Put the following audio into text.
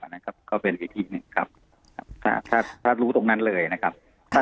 อันนั้นก็เป็นอีกที่หนึ่งครับถ้ารู้ตรงนั้นเลยนะครับ